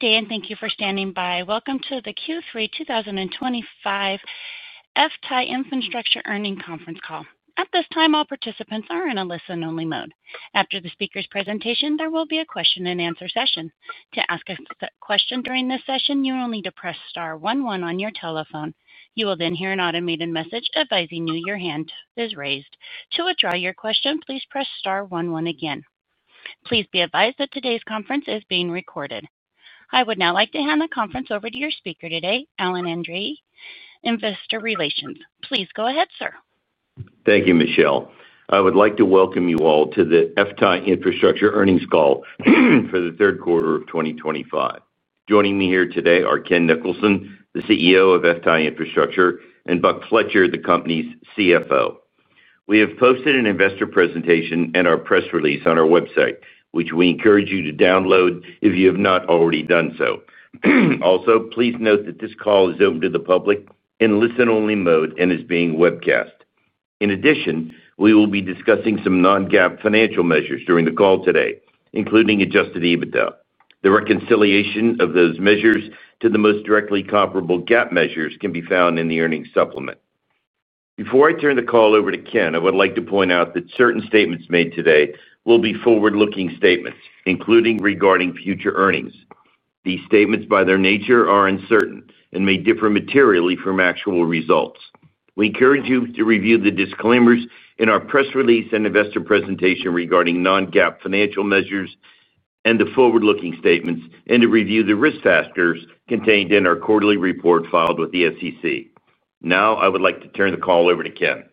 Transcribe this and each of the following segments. Good day, and thank you for standing by. Welcome to the Q3 2025 FTAI Infrastructure Earnings Conference Call. At this time, all participants are in a listen-only mode. After the speaker's presentation, there will be a question-and-answer session. To ask a question during this session, you will need to press star one one on your telephone. You will then hear an automated message advising you your hand is raised. To withdraw your question, please press star one one again. Please be advised that today's conference is being recorded. I would now like to hand the conference over to your speaker today, Alan Andreini, Investor Relations. Please go ahead, sir. Thank you, Michelle. I would like to welcome you all to the FTAI Infrastructure earnings call for the third quarter of 2025. Joining me here today are Ken Nicholson, the CEO of FTAI Infrastructure, and Buck Fletcher, the company's CFO. We have posted an investor presentation and our press release on our website, which we encourage you to download if you have not already done so. Also, please note that this call is open to the public in listen-only mode and is being webcast. In addition, we will be discussing some non-GAAP financial measures during the call today, including adjusted EBITDA. The reconciliation of those measures to the most directly comparable GAAP measures can be found in the earnings supplement. Before I turn the call over to Ken, I would like to point out that certain statements made today will be forward-looking statements, including regarding future earnings. These statements, by their nature, are uncertain and may differ materially from actual results. We encourage you to review the disclaimers in our press release and investor presentation regarding non-GAAP financial measures and the forward-looking statements, and to review the risk factors contained in our quarterly report filed with the SEC. Now, I would like to turn the call over to Ken.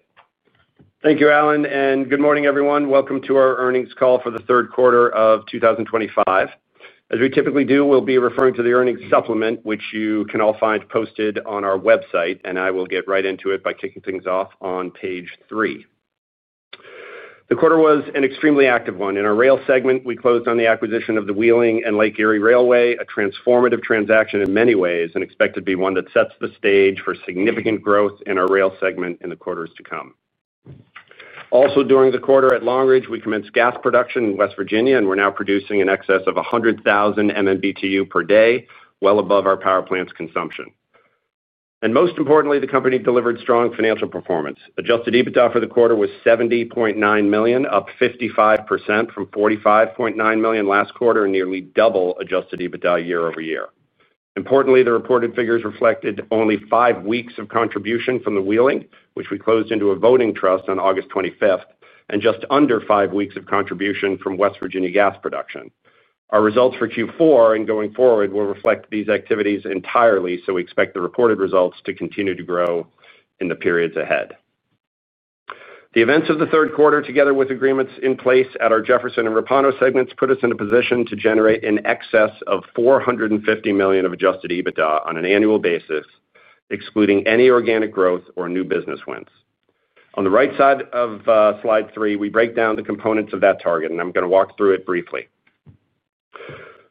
Thank you, Alan, and good morning, everyone. Welcome to our earnings call for the third quarter of 2025. As we typically do, we'll be referring to the earnings supplement, which you can all find posted on our website, and I will get right into it by kicking things off on page three. The quarter was an extremely active one. In our rail segment, we closed on the acquisition of the Wheeling & Lake Erie Railway, a transformative transaction in many ways and expected to be one that sets the stage for significant growth in our rail segment in the quarters to come. Also, during the quarter at Long Ridge, we commenced gas production in West Virginia and we're now producing in excess of 100,000 MMBtu per day, well above our power plant's consumption. Most importantly, the company delivered strong financial performance. Adjusted EBITDA for the quarter was $70.9 million, up 55% from $45.9 million last quarter and nearly double adjusted EBITDA year-over-year. Importantly, the reported figures reflected only five weeks of contribution from the Wheeling, which we closed into a voting trust on August 25th, and just under five weeks of contribution from West Virginia gas production. Our results for Q4 and going forward will reflect these activities entirely. We expect the reported results to continue to grow in the periods ahead. The events of the third quarter, together with agreements in place at our Jefferson and Repauno segments, put us in a position to generate in excess of $450 million of adjusted EBITDA on an annual basis, excluding any organic growth or new business wins. On the right side of slide three, we break down the components of that target, and I'm going to walk through it briefly.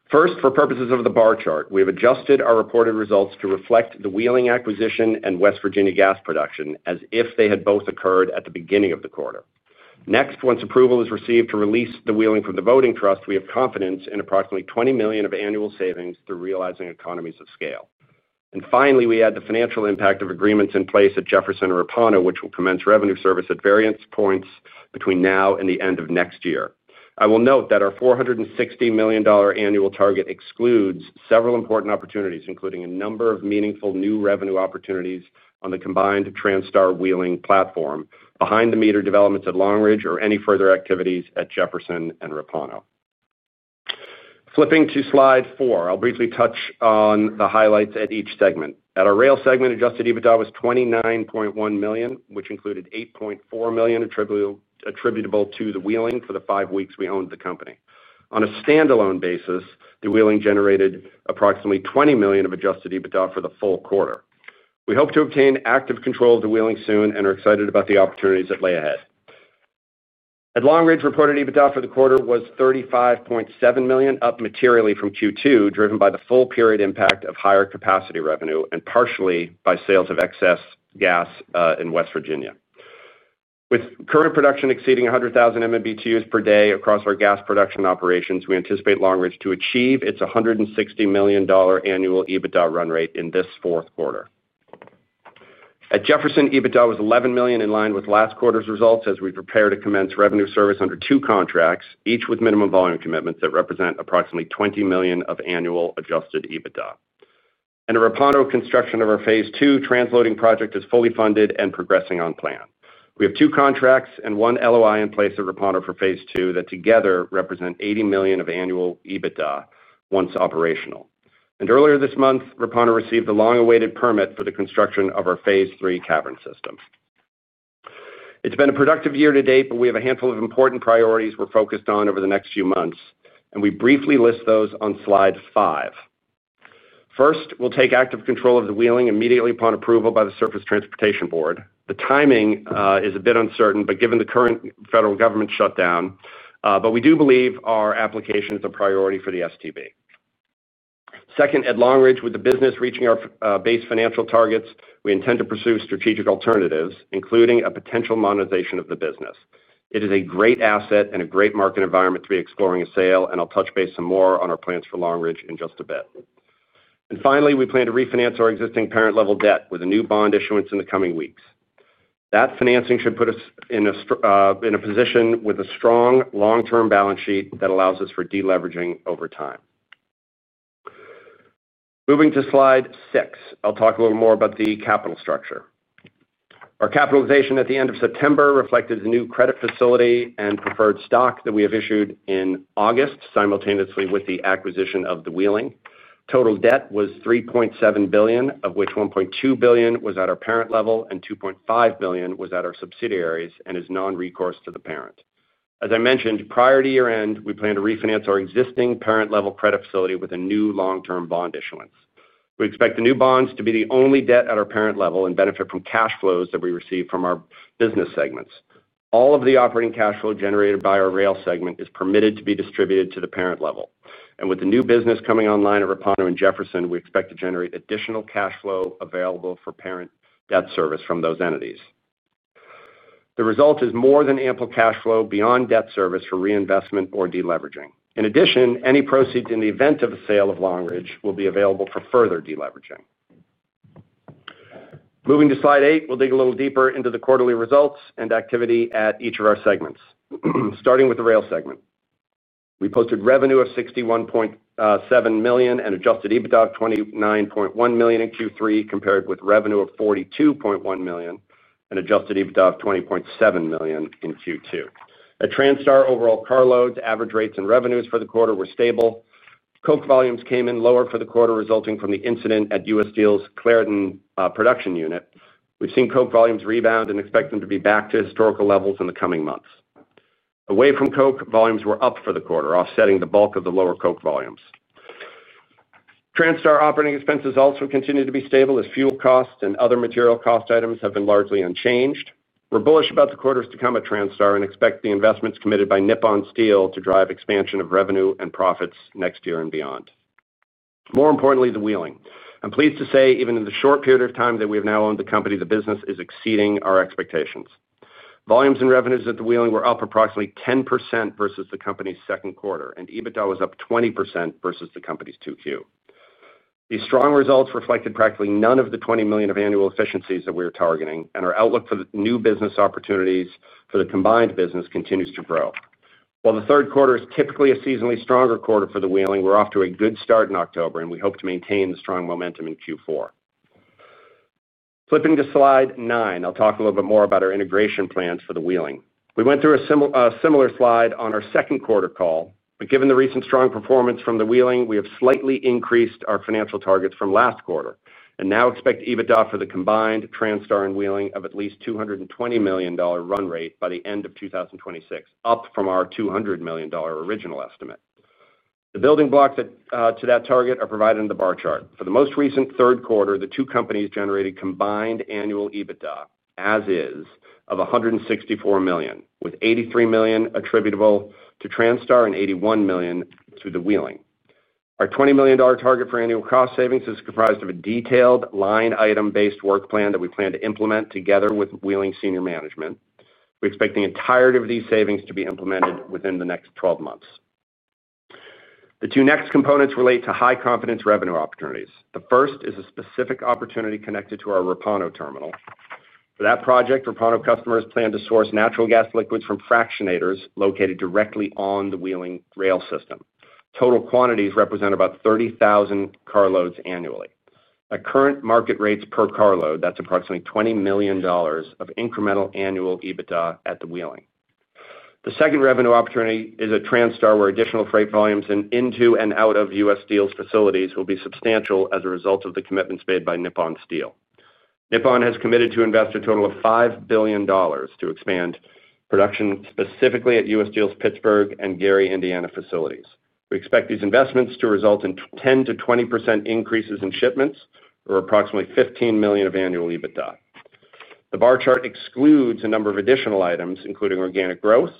First, for purposes of the bar chart, we have adjusted our reported results to reflect the Wheeling acquisition and West Virginia gas production as if they had both occurred at the beginning of the quarter. Next, once approval is received to release the Wheeling from the voting trust, we have confidence in approximately $20 million of annual savings through realizing economies of scale. Finally, we add the financial impact of agreements in place at Jefferson and Repauno, which will commence revenue service at various points between now and the end of next year. I will note that our $460 million annual target excludes several important opportunities, including a number of meaningful new revenue opportunities on the combined Transtar Wheeling platform, behind-the-meter developments at Long Ridge, or any further activities at Jefferson and Repauno. Flipping to slide four, I'll briefly touch on the highlights at each segment. At our rail segment, adjusted EBITDA was $29.1 million, which included $8.4 million attributable to the Wheeling for the five weeks we owned the company. On a standalone basis, the Wheeling generated approximately $20 million of adjusted EBITDA for the full quarter. We hope to obtain active control of the Wheeling soon and are excited about the opportunities that lie ahead. At Long Ridge, reported EBITDA for the quarter was $35.7 million, up materially from Q2, driven by the full-period impact of higher capacity revenue and partially by sales of excess gas in West Virginia. With current production exceeding 100,000 MMBtus per day across our gas production operations, we anticipate Long Ridge to achieve its $160 million annual EBITDA run rate in this fourth quarter. At Jefferson, EBITDA was $11 million, in line with last quarter's results as we prepare to commence revenue service under two contracts, each with minimum volume commitments that represent approximately $20 million of annual adjusted EBITDA. At Repauno, construction of our phase two transloading project is fully funded and progressing on plan. We have two contracts and one LOI in place at Repauno for phase two that together represent $80 million of annual EBITDA once operational. Earlier this month, Repauno received the long-awaited permit for the construction of our phase three cavern system. It's been a productive year to date, but we have a handful of important priorities we're focused on over the next few months, and we briefly list those on slide five. First, we'll take active control of the Wheeling immediately upon approval by the Surface Transportation Board. The timing is a bit uncertain, but given the current federal government shutdown, we do believe our application is a priority for the STB. Second, at Long Ridge, with the business reaching our base financial targets, we intend to pursue strategic alternatives, including a potential monetization of the business. It is a great asset and a great market environment to be exploring a sale, and I'll touch base some more on our plans for Long Ridge in just a bit. Finally, we plan to refinance our existing parent-level debt with a new bond issuance in the coming weeks. That financing should put us in a position with a strong long-term balance sheet that allows us for deleveraging over time. Moving to slide 6, I'll talk a little more about the capital structure. Our capitalization at the end of September reflected the new credit facility and preferred stock that we issued in August, simultaneously with the acquisition of the Wheeling. Total debt was $3.7 billion, of which $1.2 billion was at our parent level and $2.5 billion was at our subsidiaries and is non-recourse to the parent. As I mentioned, prior to year-end, we plan to refinance our existing parent-level credit facility with a new long-term bond issuance. We expect the new bonds to be the only debt at our parent level and benefit from cash flows that we receive from our business segments. All of the operating cash flow generated by our rail segment is permitted to be distributed to the parent level. With the new business coming online at Repauno and Jefferson, we expect to generate additional cash flow available for parent debt service from those entities. The result is more than ample cash flow beyond debt service for reinvestment or deleveraging. In addition, any proceeds in the event of a sale of Long Ridge will be available for further deleveraging. Moving to slide 8, we'll dig a little deeper into the quarterly results and activity at each of our segments. Starting with the rail segment, we posted revenue of $61.7 million and adjusted EBITDA of $29.1 million in Q3, compared with revenue of $42.1 million and adjusted EBITDA of $20.7 million in Q2. At Transtar, overall carloads, average rates, and revenues for the quarter were stable. Coke volumes came in lower for the quarter, resulting from the incident at U.S. Steel's Clairton production unit. We've seen coke volumes rebound and expect them to be back to historical levels in the coming months. Away from coke, volumes were up for the quarter, offsetting the bulk of the lower coke volumes. Transtar operating expenses also continue to be stable as fuel costs and other material cost items have been largely unchanged. We're bullish about the quarters to come at Transtar and expect the investments committed by Nippon Steel to drive expansion of revenue and profits next year and beyond. More importantly, the Wheeling. I'm pleased to say, even in the short period of time that we have now owned the company, the business is exceeding our expectations. Volumes and revenues at the Wheeling were up approximately 10% versus the company's second quarter, and EBITDA was up 20% versus the company's Q2. These strong results reflected practically none of the $20 million of annual efficiencies that we are targeting, and our outlook for the new business opportunities for the combined business continues to grow. While the third quarter is typically a seasonally stronger quarter for the Wheeling, we're off to a good start in October, and we hope to maintain the strong momentum in Q4. Flipping to slide nine, I'll talk a little bit more about our integration plans for the Wheeling. We went through a similar slide on our second quarter call, but given the recent strong performance from the Wheeling, we have slightly increased our financial targets from last quarter and now expect EBITDA for the combined Transtar and Wheeling of at least $220 million run rate by the end of 2026, up from our $200 million original estimate. The building blocks to that target are provided in the bar chart. For the most recent third quarter, the two companies generated combined annual EBITDA, as is, of $164 million, with $83 million attributable to Transtar and $81 million to the Wheeling. Our $20 million target for annual cost savings is comprised of a detailed line-item-based work plan that we plan to implement together with Wheeling senior management. We expect the entirety of these savings to be implemented within the next 12 months. The two next components relate to high-confidence revenue opportunities. The first is a specific opportunity connected to our Repauno terminal. For that project, Repauno customers plan to source natural gas liquids from fractionators located directly on the Wheeling rail system. Total quantities represent about 30,000 carloads annually. At current market rates per car load, that's approximately $20 million of incremental annual EBITDA at the Wheeling. The second revenue opportunity is at Transtar, where additional freight volumes in and out of U.S. Steel's facilities will be substantial as a result of the commitments made by Nippon Steel. Nippon has committed to invest a total of $5 billion to expand production specifically at U.S. Steel's Pittsburgh and Gary, Indiana, facilities. We expect these investments to result in 10%-20% increases in shipments, or approximately $15 million of annual EBITDA. The bar chart excludes a number of additional items, including organic growth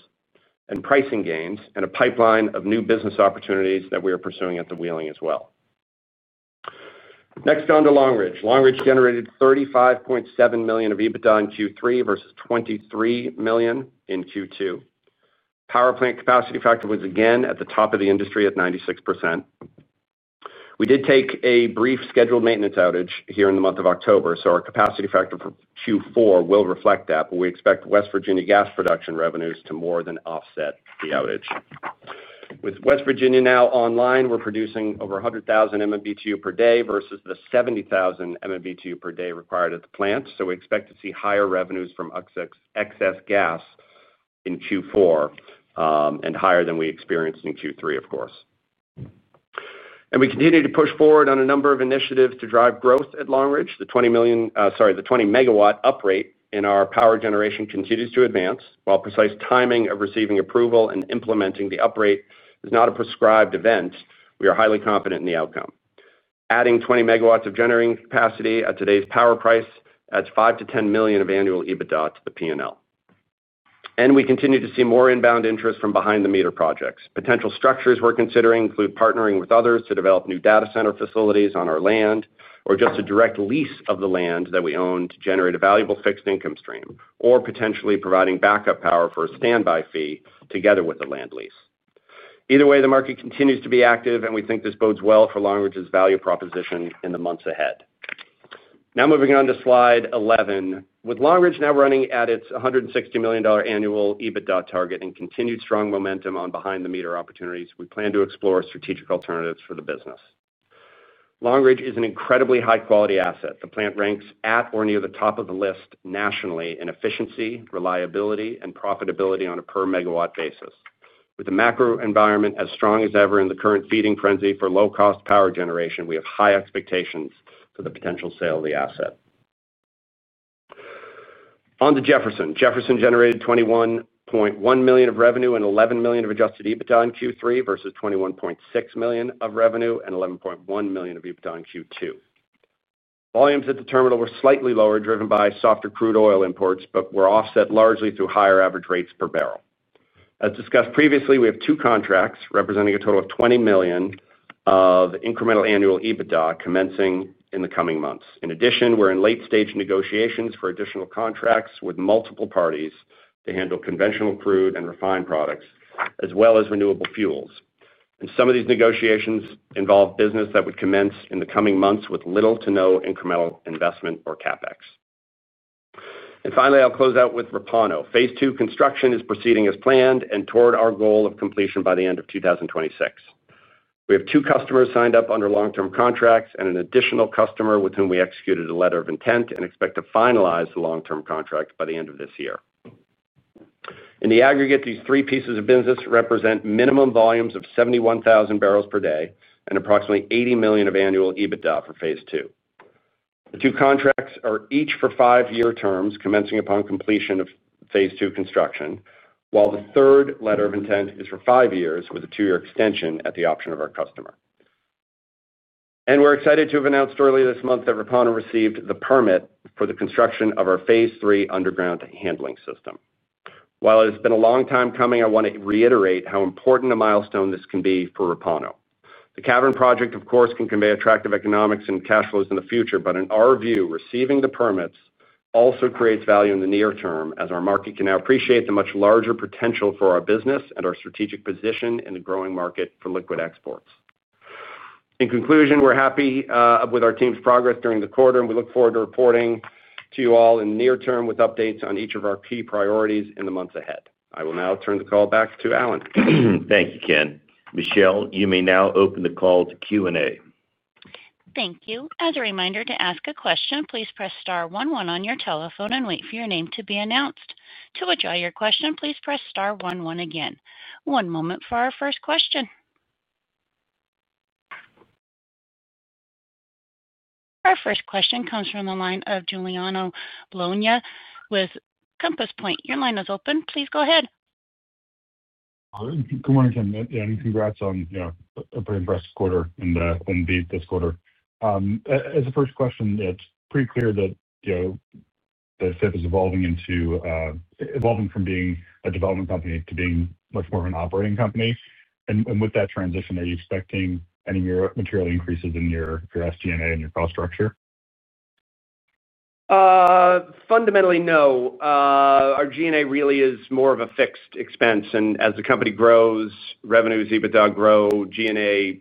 and pricing gains, and a pipeline of new business opportunities that we are pursuing at the Wheeling as well. Next, on to Long Ridge. Long Ridge generated $35.7 million of EBITDA in Q3 versus $23 million in Q2. Power plant capacity factor was again at the top of the industry at 96%. We did take a brief scheduled maintenance outage here in the month of October, so our capacity factor for Q4 will reflect that, but we expect West Virginia gas production revenues to more than offset the outage. With West Virginia now online, we're producing over 100,000 MMBtu per day versus the 70,000 MMBtu per day required at the plant. We expect to see higher revenues from excess gas in Q4, higher than we experienced in Q3, of course. We continue to push forward on a number of initiatives to drive growth at Long Ridge. The 20 MW uprate in our power generation continues to advance. While precise timing of receiving approval and implementing the uprate is not a prescribed event, we are highly confident in the outcome. Adding 20 MW of generating capacity at today's power price adds $5 million-$10 million of annual EBTDA to the P&L. And we continue to see more inbound interest from behind-the-meter projects. Potential structures we're considering include partnering with others to develop new data center facilities on our land, a direct lease of the land that we own to generate a valuable fixed income stream, or potentially providing backup power for a standby fee together with the land lease. Either way, the market continues to be active, and we think this bodes well for Long Ridge's value proposition in the months ahead. Now moving on to slide 11. With Long Ridge now running at its $160 million annual EBITDA target and continued strong momentum on behind-the-meter opportunities, we plan to explore strategic alternatives for the business. Long Ridge is an incredibly high-quality asset. The plant ranks at or near the top of the list nationally in efficiency, reliability, and profitability on a per-MW basis. With the macro environment as strong as ever in the current feeding frenzy for low-cost power generation, we have high expectations for the potential sale of the asset. On to Jefferson. Jefferson generated $21.1 million of revenue and $11 million of adjusted EBITDA in Q3 versus $21.6 million of revenue and $11.1 million of adjusted EBITDA in Q2. Volumes at the terminal were slightly lower, driven by softer crude oil imports, but were offset largely through higher average rates per barrel. As discussed previously, we have two contracts representing a total of $20 million of incremental annual EBITDA commencing in the coming months. In addition, we're in late-stage negotiations for additional contracts with multiple parties to handle conventional crude and refined products, as well as renewable fuels. Some of these negotiations involve business that would commence in the coming months with little to no incremental investment or CapEx. Finally, I'll close out with Repauno. Phase two construction is proceeding as planned and toward our goal of completion by the end of 2026. We have two customers signed up under long-term contracts and an additional customer with whom we executed a letter of intent and expect to finalize the long-term contract by the end of this year. In the aggregate, these three pieces of business represent minimum volumes of 71,000 barrels per day and approximately $80 million of annual EBITDA for phase two. The two contracts are each for five-year terms, commencing upon completion of phase two construction, while the third letter of intent is for five years with a two-year extension at the option of our customer. We're excited to have announced early this month that Repauno received the permit for the construction of our phase three underground handling system. While it has been a long time coming, I want to reiterate how important a milestone this can be for Repauno. The cavern project, of course, can convey attractive economics and cash flows in the future, but in our view, receiving the permits also creates value in the near term, as our market can now appreciate the much larger potential for our business and our strategic position in a growing market for liquid exports. In conclusion, we're happy with our team's progress during the quarter, and we look forward to reporting to you all in the near term with updates on each of our key priorities in the months ahead. I will now turn the call back to Alan. Thank you, Ken. Michelle, you may now open the call to Q&A. Thank you. As a reminder to ask a question, please press star one one on your telephone and wait for your name to be announced. To withdraw your question, please press star one one again. One moment for our first question. Our first question comes from the line of Giuliano Bologna with Compass Point. Your line is open. Please go ahead. Good morning, Ken. And congrats on a pretty impressive quarter and beat this quarter. As a first question, it's pretty clear that the FTAI is evolving from being a development company to being much more of an operating company. And with that transition, are you expecting any material increases in your SG&A and your cost structure? Fundamentally, no. Our G&A really is more of a fixed expense. As the company grows, revenues, EBITDA grow, G&A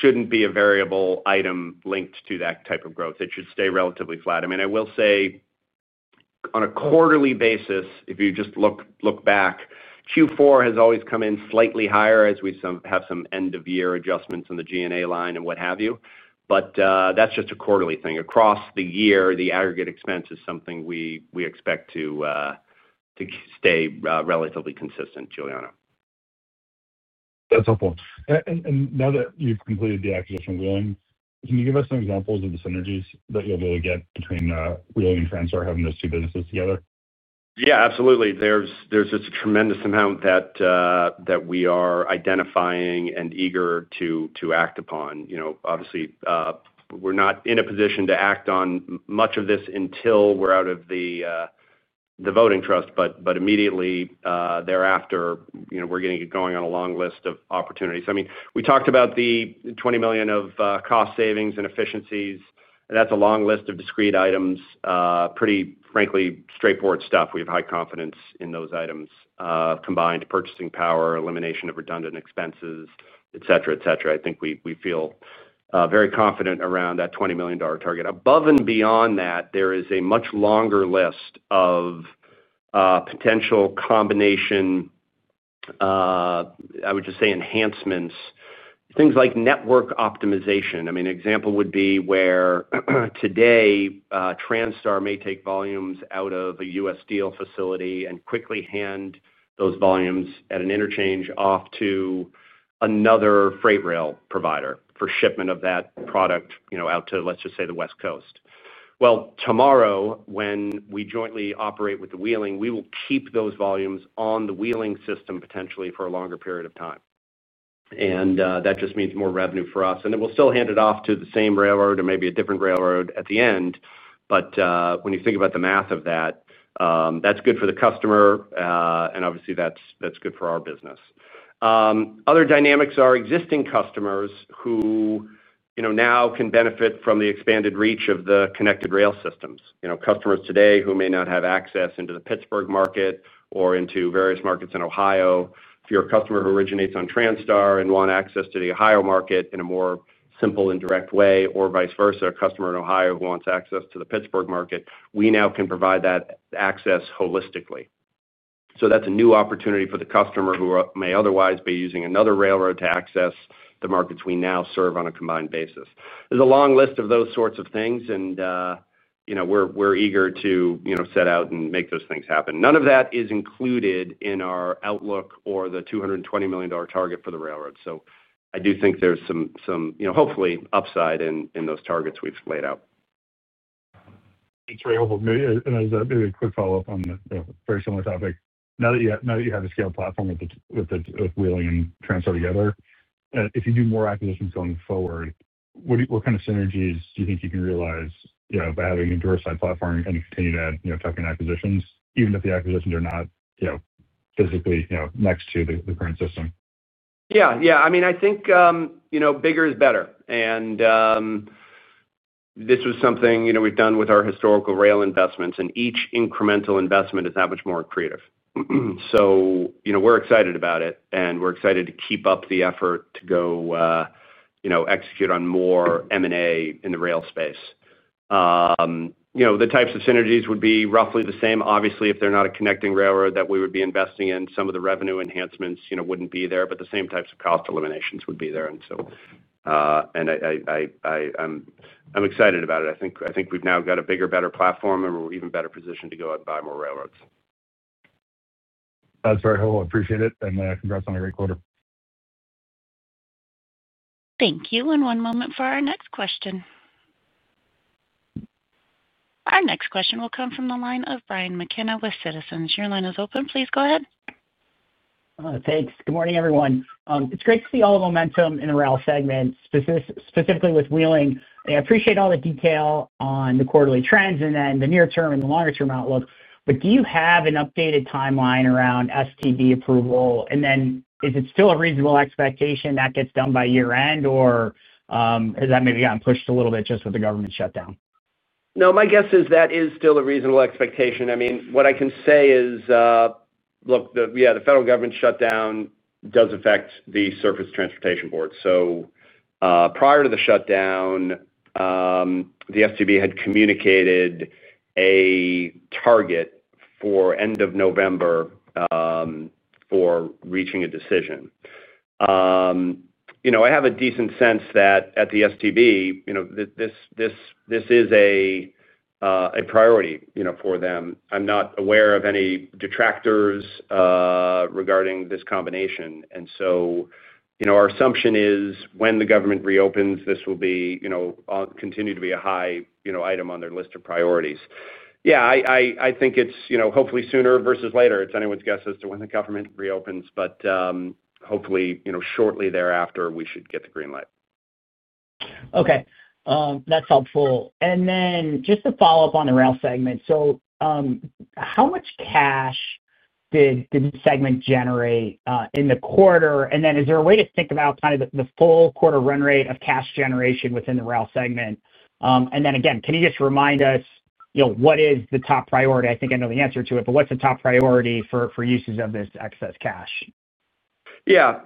shouldn't be a variable item linked to that type of growth. It should stay relatively flat. I will say, on a quarterly basis, if you just look back, Q4 has always come in slightly higher as we have some end-of-year adjustments in the G&A line and what have you. But that's just a quarterly thing. Across the year, the aggregate expense is something we expect to stay relatively consistent, Giuliano. That's helpful. Now that you've completed the acquisition of Wheeling, can you give us some examples of the synergies that you'll be able to get between Wheeling and Transtar having those two businesses together? Yeah, absolutely. There's just a tremendous amount that we are identifying and eager to act upon. You know obviously, we're not in a position to act on much of this until we're out of the voting trust, but immediately thereafter, we're going on a long list of opportunities. I mean, we talked about the $20 million of cost savings and efficiencies. That's a long list of discrete items. Pretty frankly, straightforward stuff. We have high confidence in those items combined: purchasing power, elimination of redundant expenses, etc., etc. I think we feel very confident around that $20 million target. Above and beyond that, there is a much longer list of potential combination. I would just say, enhancements, things like network optimization. An example would be where today Transtar may take volumes out of a U.S. Steel facility and quickly hand those volumes at an interchange off to another freight rail provider for shipment of that product out to, let's just say, the West Coast. Well tomorrow, when we jointly operate with the Wheeling, we will keep those volumes on the Wheeling system potentially for a longer period of time. That just means more revenue for us. It will still hand it off to the same railroad or maybe a different railroad at the end. But we think about the math of that, that's good for the customer, and obviously, that's good for our business. Other dynamics are existing customers who now can benefit from the expanded reach of the connected rail systems. Customers today who may not have access into the Pittsburgh market or into various markets in Ohio, if you're a customer who originates on Transtar and want access to the Ohio market in a more simple and direct way or vice versa, a customer in Ohio who wants access to the Pittsburgh market, we now can provide that access holistically. So that's a new opportunity for the customer who may otherwise be using another railroad to access the markets we now serve on a combined basis. There's a long list of those sorts of things, and we're eager to set out and make those things happen. None of that is included in our outlook or the $220 million target for the railroad. I do think there's some, hopefully, upside in those targets we've laid out. That's very helpful. Maybe a quick follow-up on a very similar topic. Now that you have a scaled platform with Wheeling and Transtar together, and if you do more acquisitions going forward, what kind of synergies do you think you can realize by having a dorsal platform and continuing to have token acquisitions, even if the acquisitions are not physically next to the current system? Yeah. I mean, I think bigger is better. And this was something we've done with our historical rail investments, and each incremental investment is that much more accretive. So we're excited about it, and we're excited to keep up the effort to go execute on more M&A in the rail space. The types of synergies would be roughly the same. Obviously, if they're not a connecting railroad that we would be investing in, some of the revenue enhancements wouldn't be there, but the same types of cost eliminations would be there. So I'm excited about it. I think we've now got a bigger, better platform, and we're even better positioned to go out and buy more railroads. That's very helpful. I appreciate it. Congrats on a great quarter. Thank you. One moment for our next question. Our next question will come from the line of Brian McKenna with Citizens. Your line is open. Please go ahead. Thanks. Good morning, everyone. It's great to see all the momentum in the rail segment, specifically with Wheeling. I appreciate all the detail on the quarterly trends and then the near-term and the longer-term outlook. Do you have an updated timeline around STB approval? Is it still a reasonable expectation that gets done by year-end, or has that maybe gotten pushed a little bit just with the government shutdown? No, my guess is that is still a reasonable expectation. What I can say is, look, the federal government shutdown does affect the Surface Transportation Board. So prior to the shutdown, the STB had communicated a target for end of November for reaching a decision. I have a decent sense that at the STB, this is a priority for them. I'm not aware of any detractors regarding this combination. So our assumption is when the government reopens, this will continue to be a high item on their list of priorities. I think it's hopefully sooner versus later. It's anyone's guess as to when the government reopens, but hopefully shortly thereafter, we should get the green light. okay. That's helpful. Just to follow up on the rail segment, how much cash did the segment generate in the quarter? And is there a way to think about the full quarter run rate of cash generation within the rail segment? Can you just remind us what is the top priority? I think I know the answer to it, but what's the top priority for uses of this excess cash? Yeah.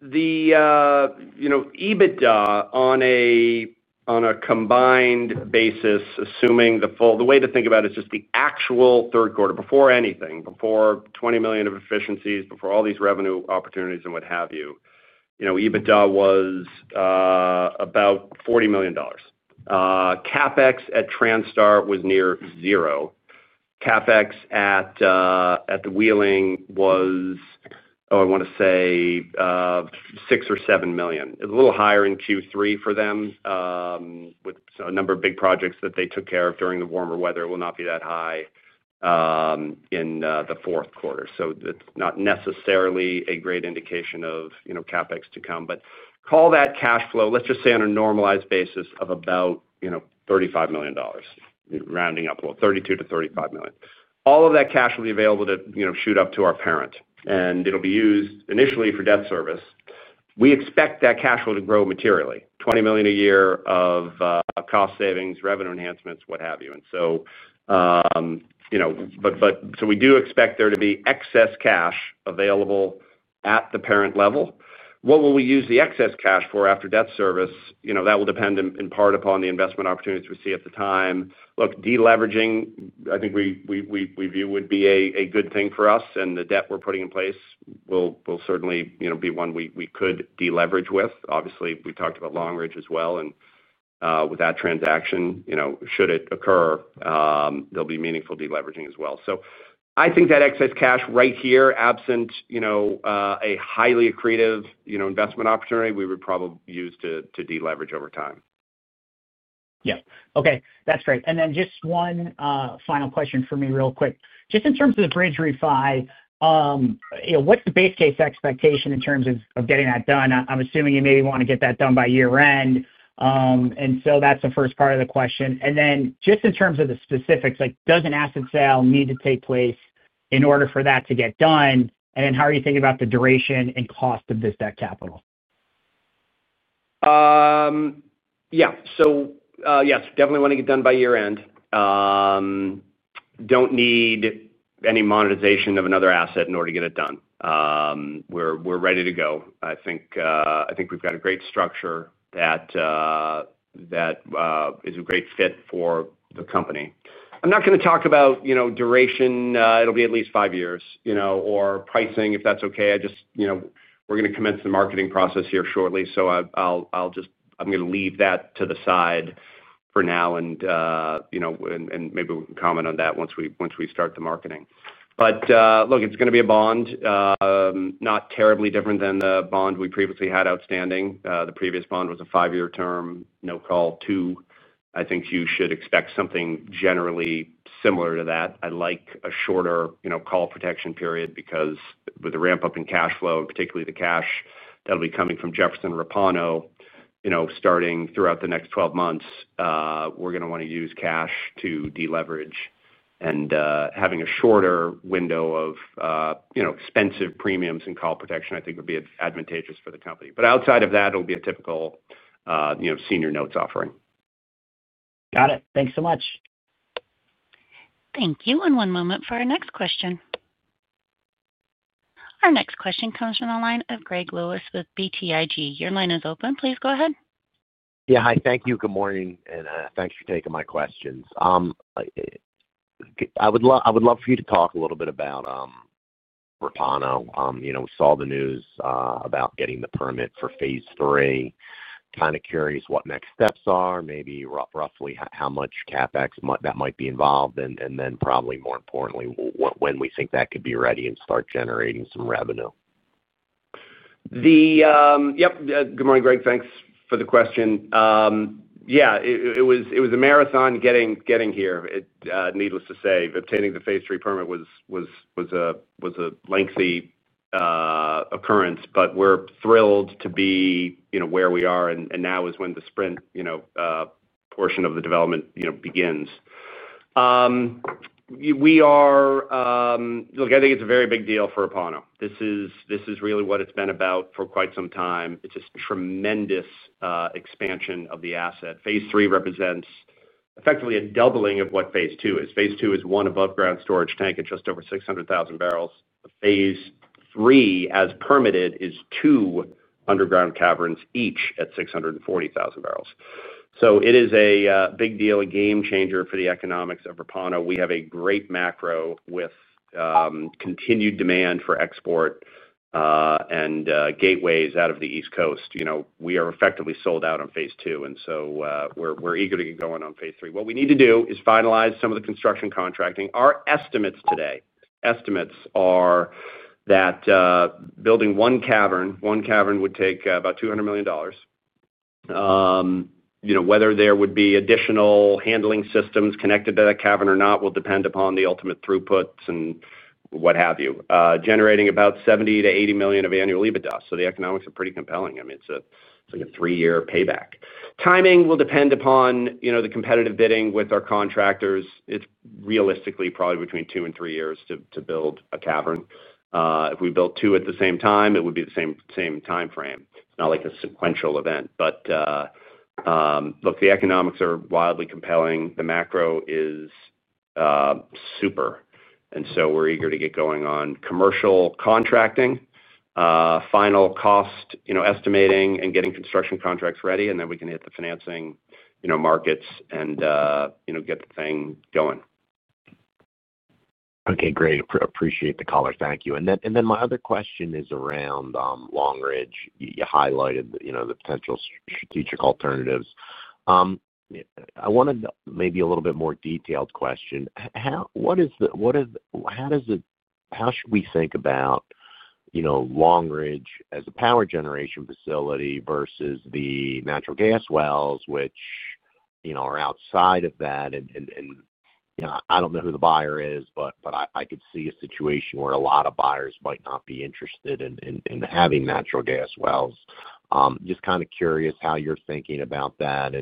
The EBITDA on a combined basis, assuming the full, the way to think about it is just the actual third quarter before anything, before $20 million of efficiencies, before all these revenue opportunities and what have you, EBITDA was about $40 million. CapEx at Transtar was near zero. CapEx at the Wheeling was, oh, I want to say, $6 million or $7 million. It's a little higher in Q3 for them, with a number of big projects that they took care of during the warmer weather. It will not be that high in the fourth quarter, so it's not necessarily a great indication of CapEx to come. Call that cash flow, let's just say on a normalized basis of about $35 million, rounding up, $32 million-$35 million. All of that cash will be available to shoot up to our parent, and it'll be used initially for debt service. We expect that cash flow to grow materially, $20 million a year of cost savings, revenue enhancements, what have you. We do expect there to be excess cash available at the parent level. What will we use the excess cash for after debt service? That will depend in part upon the investment opportunities we see at the time. Look, deleveraging, I think we view would be a good thing for us, and the debt we're putting in place will certainly be one we could deleverage with. Obviously, we talked about Long Ridge as well. With that transaction, should it occur, there'll be meaningful deleveraging as well. I think that excess cash right here, absent a highly accretive investment opportunity, we would probably use to deleverage over time. Yeah. Okay. That's great. And then just one final question for me real quick. Just in terms of the bridge refi, what's the base case expectation in terms of getting that done? I'm assuming you maybe want to get that done by year-end. That's the first part of the question. And then just in terms of the specifics, does an asset sale need to take place in order for that to get done? And how are you thinking about the duration and cost of this debt capital? Yeah. So yes, definitely want to get done by year-end. Don't need any monetization of another asset in order to get it done. We're ready to go. I think we've got a great structure that is a great fit for the company. I'm not going to talk about duration. It'll be at least five years or pricing, if that's okay. We're going to commence the marketing process here shortly, so I'm going to leave that to the side for now. Maybe we can comment on that once we start the marketing. Look, it's going to be a bond, not terribly different than the bond we previously had outstanding. The previous bond was a five-year term, no-call two. I think you should expect something generally similar to that. I like a shorter call protection period because with the ramp-up in cash flow, and particularly the cash that'll be coming from Jefferson and Repauno starting throughout the next 12 months, we're going to want to use cash to deleverage. Having a shorter window of expensive premiums and call protection, I think, would be advantageous for the company. Outside of that, it'll be a typical senior notes offering. Got it. Thanks so much. Thank you. And one moment for our next question. Our next question comes from the line of Greg Lewis with BTIG. Your line is open. Please go ahead. Yeah. Hi. Thank you. Good morning, and thanks for taking my questions. I would love for you to talk a little bit about Repauno. We saw the news about getting the permit for phase three. Kind of curious what next steps are, maybe roughly how much CapEx that might be involved, and then probably more importantly, when we think that could be ready and start generating some revenue. Yep. Good morning, Greg. Thanks for the question. Yeah. It was a marathon getting here, needless to say. Obtaining the phase three permit was a lengthy occurrence, but we're thrilled to be where we are, and now is when the sprint portion of the development begins. Look, I think it's a very big deal for Repauno. This is really what it's been about for quite some time. It's a tremendous expansion of the asset. Phase three represents effectively a doubling of what phase two is. Phase two is one above-ground storage tank at just over 600,000 barrels. Phase three, as permitted, is two underground caverns each at 640,000 barrels. So it is a big deal, a game changer for the economics of Repauno. We have a great macro with continued demand for export and gateways out of the East Coast. And we are effectively sold out on phase two, and we're eager to get going on phase three. What we need to do is finalize some of the construction contracting. Our estimates today are that building one cavern would take about $200 million. Whether there would be additional handling systems connected to that cavern or not will depend upon the ultimate throughputs and what have you, generating about $70 million-$80 million of annual EBITDA. The economics are pretty compelling. I mean, it's like a three-year payback. Timing will depend upon the competitive bidding with our contractors. It's realistically probably between two and three years to build a cavern. If we built two at the same time, it would be the same timeframe. It's not like a sequential event. But the economics are wildly compelling. The macro is super, and we're eager to get going on commercial contracting, final cost estimating, and getting construction contracts ready, and then we can hit the financing markets and get the thing going. Okay. Great. Appreciate the caller. Thank you. And then my other question is around Long Ridge. You highlighted the potential strategic alternatives. I wanted maybe a little bit more detailed question. How should we think about Long Ridge as a power generation facility versus the natural gas wells, which are outside of that? I don't know who the buyer is, but I could see a situation where a lot of buyers might not be interested in having natural gas wells. Just kind of curious how you're thinking about that.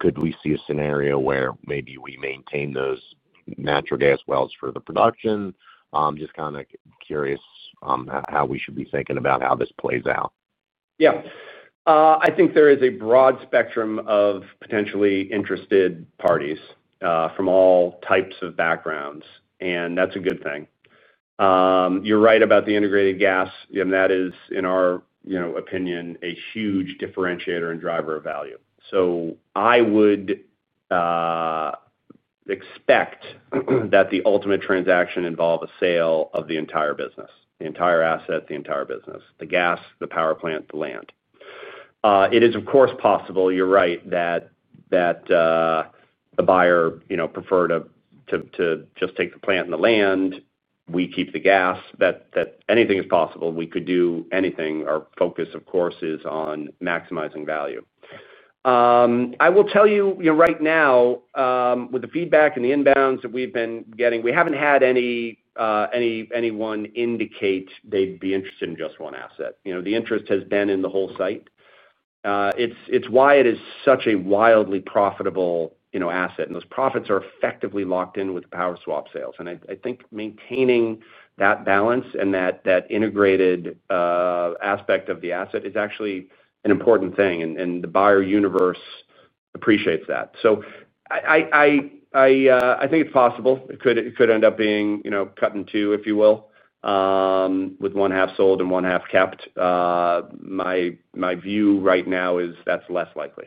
Could we see a scenario where maybe we maintain those natural gas wells for the production? Just kind of curious how we should be thinking about how this plays out. Yeah. I think there is a broad spectrum of potentially interested parties from all types of backgrounds, and that's a good thing. You're right about the integrated gas, and that is, in our opinion, a huge differentiator and driver of value. So I would expect that the ultimate transaction involves a sale of the entire business, the entire asset, the entire business, the gas, the power plant, the land. It is, of course, possible you're right that the buyer preferred to just take the plant and the land. We keep the gas. But anything is possible. We could do anything. Our focus, of course, is on maximizing value. I will tell you right now, with the feedback and the inbounds that we've been getting, we haven't had anyone indicate they'd be interested in just one asset. The interest has been in the whole site. It's why it is such a wildly profitable asset, and those profits are effectively locked in with the power swap sales. I think maintaining that balance and that integrated aspect of the asset is actually an important thing, and the buyer universe appreciates that. I think it's possible it could end up being cut in two, if you will, with one half sold and one half kept. My view right now is that's less likely.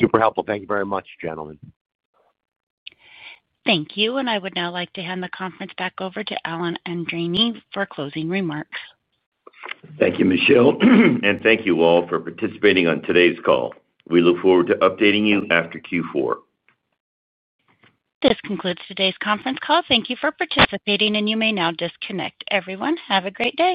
Super helpful. Thank you very much, gentlemen. Thank you. I would now like to hand the conference back over to Alan Andreini for closing remarks. Thank you, Michelle. Thank you all for participating on today's call. We look forward to updating you after Q4. This concludes today's conference call. Thank you for participating, and you may now disconnect. Everyone, have a great day.